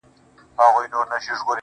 • ولي مي هره شېبه، هر ساعت په غم نیسې.